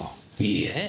いいえ。